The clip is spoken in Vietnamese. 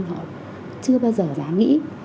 họ chưa bao giờ dám nghĩ